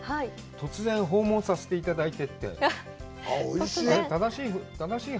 突然訪問させていただいて。